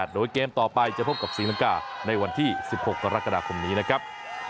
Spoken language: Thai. โดยเกมต่อไปจะพบกับศรีลังกาในวันที่๑๖กรกฎาคมนี้นะครับ